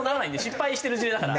失敗してる事例だから。